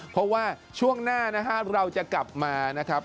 เพราะว่าช่วงหน้านะฮะเราจะกลับมานะครับ